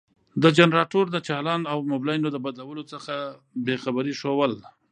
د جنراتور د چالان او مبلينو د بدلولو څخه بې خبري ښوول.